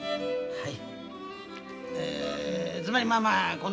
はい。